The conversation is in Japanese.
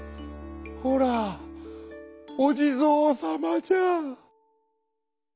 ほらおじぞうさまじゃ」。